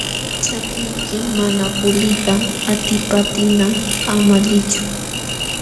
Ćhakiyki mana puliyta atipaptinqa ama liychu.